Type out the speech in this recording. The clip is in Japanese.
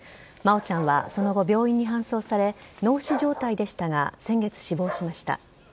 真愛ちゃんはその後病院に搬送され脳死状態でしたが先月、死亡しました。